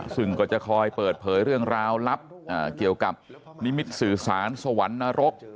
ซึ่งก็จะคอยเปิดเผยเรื่องราวลับเกี่ยวกับนิมิตสื่อสารสวรรค์นรก